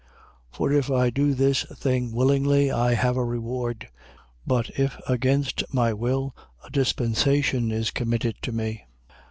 For if I do this thing willingly, I have a reward: but if against my will, a dispensation is committed to me.